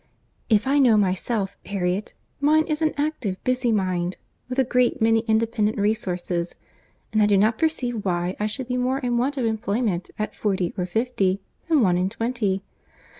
"If I know myself, Harriet, mine is an active, busy mind, with a great many independent resources; and I do not perceive why I should be more in want of employment at forty or fifty than one and twenty.